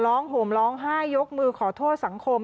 ร้องโหมร้องไห้ยกมือขอโทษสังคม